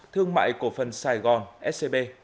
thương mại cổ phần sài gòn scb